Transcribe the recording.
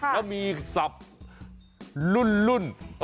แล้วมีศัพท์รุ่น